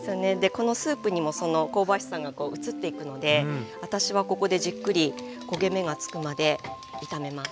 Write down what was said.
このスープにもその香ばしさが移っていくので私はここでじっくり焦げ目がつくまで炒めます。